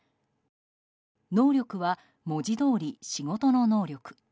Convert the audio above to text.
能力は文字どおり仕事の能力。